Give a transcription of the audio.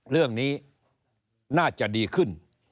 เรื่องนี้น่าจะดีขึ้น